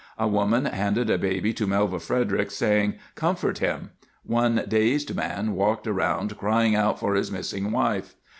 A woman handed a baby to Melva Fredericks, saying, "Comfort him." One dazed man walked around crying out for his missing wife.